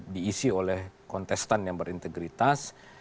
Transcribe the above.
diisi oleh kontestan yang berintegritas